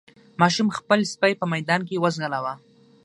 ماشوم خپل سپی په ميدان کې وځغلاوه.